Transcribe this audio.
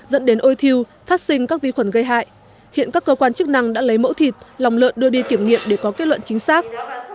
dẫn đến ôi thiêu phát sinh các vi khuẩn gây hại hiện các cơ quan chức năng đã lấy mẫu thịt lòng lợn đưa đi kiểm nghiệm để có kết luận chính xác